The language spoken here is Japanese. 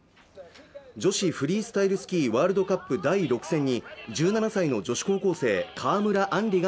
女子フリースタイルスキーワールドカップ第６戦に１７歳の女子高校生川村あん